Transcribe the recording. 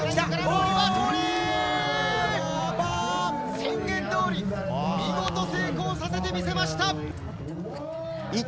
宣言通り、見事成功させてみせました。